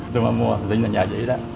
tôi mới mua tự nhiên là nhờ dĩ đó